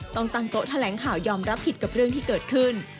ต้องตั้งโต๊ะแถลงข่าวยอมรับผิดกับเรื่องที่เกิดขึ้น